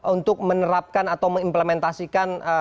untuk menerapkan atau mengimplementasikan